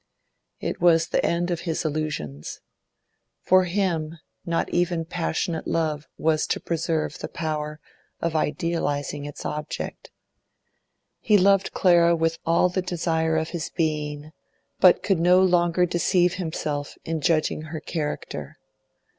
It was the end of his illusions. For him not even passionate love was to preserve the power of idealising its object. He loved Clara with all the desire of his being, but could no longer deceive himself in judging her character.